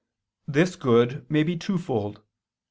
This good may be twofold.